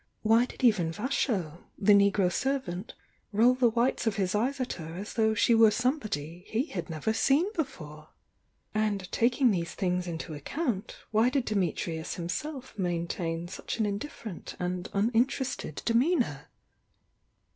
Why did even Vasho, the negro servant, roll the whites of his eyes at her as though she were somebody he had never seen before? And taking these things into account, why did Dimitrius himself maintain such an indifferent and uninterested demeanour?